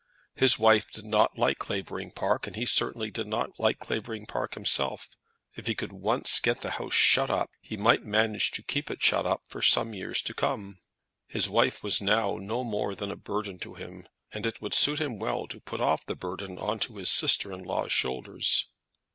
His wife did not like Clavering Park, and he certainly did not like Clavering Park himself. If he could once get the house shut up, he might manage to keep it shut for some years to come. His wife was now no more than a burden to him, and it would suit him well to put off the burden on to his sister in law's shoulders.